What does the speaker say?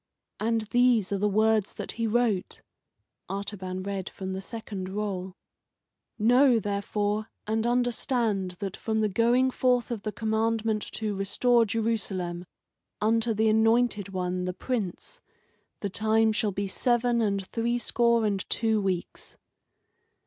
And these are the words that he wrote." (Artaban read from the second roll:) "'Know, therefore, and understand that from the going forth of the commandment to restore Jerusalem, unto the Anointed One, the Prince, the time shall be seven and threescore and two weeks."